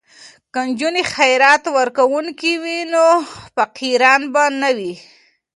که نجونې خیرات ورکوونکې وي نو فقیران به نه وي.